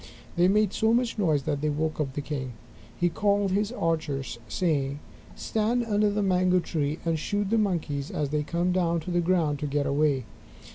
They made so much noise that they woke up the king. He called his archers saying: "Stand under the mango tree and shoot the Monkeys as they come down to the ground to get away.